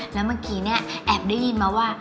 แล้วเมื่อกี้เนี่ยแอบได้ยินมาว่า